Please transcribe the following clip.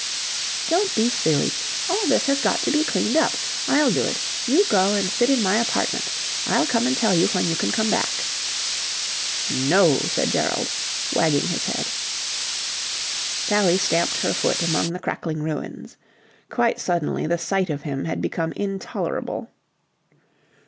"Don't be silly. All this has got to be cleaned up. I'll do it. You go and sit in my apartment. I'll come and tell you when you can come back." "No!" said Gerald, wagging his head. Sally stamped her foot among the crackling ruins. Quite suddenly the sight of him had become intolerable.